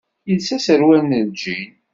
Yelsa aserwal n lǧin.